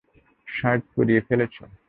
Shirt পুড়িয়ে ফেলেছে।